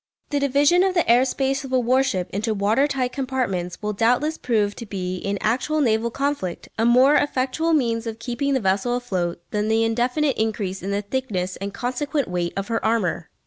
The division of the air space of a warship into water tight compartments will doubtless prove to be, in actual naval conflict, a more effectual means of keeping the vessel afloat than the indefinite increase in the thickness and consequent weight of her armour.